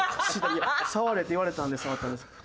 いや触れって言われたんで触ったんですけど。